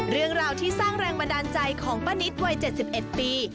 เรื่องราวที่สร้างแรงบันดาลใจของป้านิตวัย๗๑ปี